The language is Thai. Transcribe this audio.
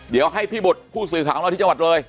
เดี๋ยวให้พี่บุตรผู้สื่อข่าวของเราที่จังหวัดเลย